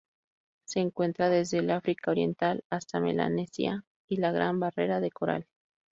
Se encuentra desde el África Oriental hasta Melanesia y la Gran Barrera de Coral.